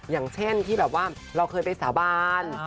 อย่างเช่นที่แบบว่าเราเคยไปสาบาน